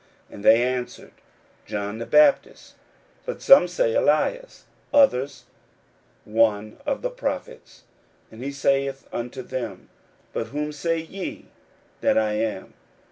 41:008:028 And they answered, John the Baptist; but some say, Elias; and others, One of the prophets. 41:008:029 And he saith unto them, But whom say ye that I am?